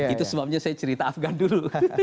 itu sebabnya saya cerita afghan dulu